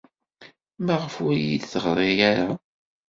Maɣef ur iyi-d-teɣri ara?